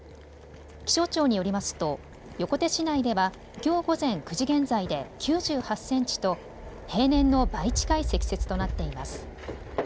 気象庁によりますと横手市内では、きょう午前９時現在で９８センチと平年の倍近い積雪となっています。